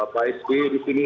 pak sbe disini